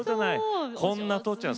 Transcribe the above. こんな父ちゃん